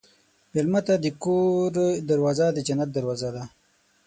مېلمه ته د کور دروازه د جنت دروازه ده.